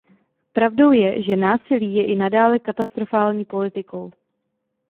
Pravdou je, že násilí je i nadále katastrofální politikou.